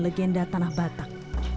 legenda tanah batak